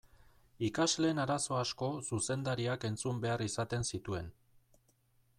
Ikasleen arazo asko zuzendariak entzun behar izaten zituen.